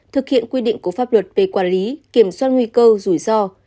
thực hiện quy định của pháp luật về quản lý kiểm soát nguy cơ rủi ro